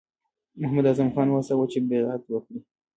محمداعظم خان وهڅاوه چې بیعت وکړي.